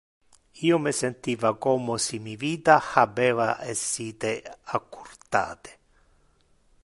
Io me sentiva como si mi vita habeva essite accurtate.